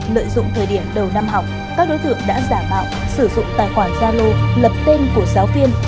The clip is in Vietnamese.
lợi dụng thời điểm đầu năm học các đối tượng đã giả mạo sử dụng tài khoản gia lô lập tên của giáo viên